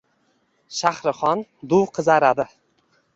Shahrixon duv qizaradi.